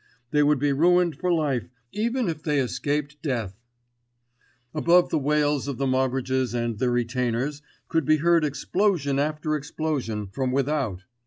They would be ruined for life, even if they escaped death. Above the wails of the Moggridges and their retainers could be heard explosion after explosion from without.